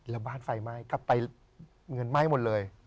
แล้วบ้านไฟไหม้กลับไปเงินไหม้หมดเลย